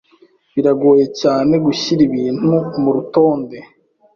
Biragoye cyane gushyira ibintu murutonde.